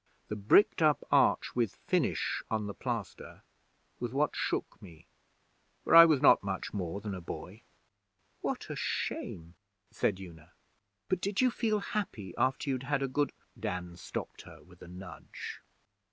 'The bricked up arch with "Finish!" on the plaster was what shook me, for I was not much more than a boy.' 'What a shame!' said Una. 'But did you feel happy after you'd had a good ' Dan stopped her with a nudge.